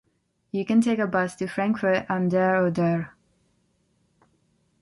You can take a bus to Frankfurt an der Oder.